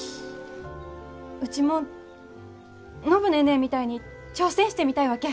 うちも暢ネーネーみたいに挑戦してみたいわけ。